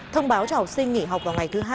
thông báo cho học sinh nghỉ học vào ngày thứ hai